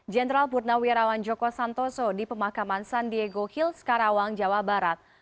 jenderal purnawirawan joko santoso di pemakaman san diego hills karawang jawa barat